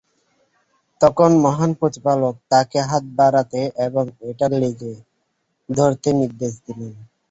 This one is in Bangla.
তখন মহান প্রতিপালক তাকে হাত বাড়াতে এবং এটার লেজে ধরতে নির্দেশ দিলেন।